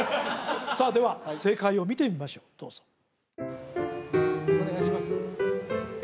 さあでは正解を見てみましょうどうぞお願いします